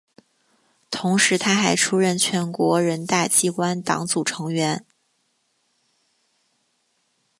同时她还出任全国人大机关党组成员。